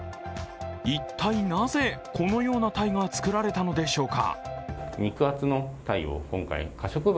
一体なぜ、このような鯛が作られたのでしょうか。